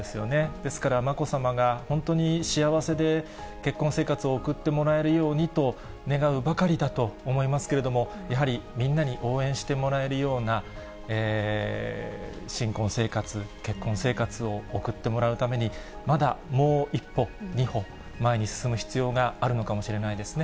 ですから、まこさまが本当に幸せで、結婚生活を送ってもらえるようにと願うばかりだと思いますけれども、やはりみんなに応援してもらえるような、新婚生活、結婚生活を送ってもらうために、まだもう一歩、二歩、前に進む必要があるのかもしれないですね。